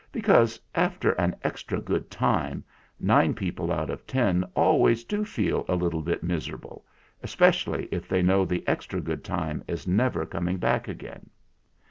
Because, after an extra good time, nine people out of ten always do feel a little bit miserable, especially if they know the extra good time is never coming back again.